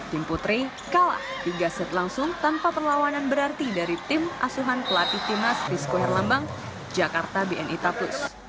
tim putri kalah tiga set langsung tanpa perlawanan berarti dari tim asuhan kelatih timnas disco herlambang jakarta bni tatlus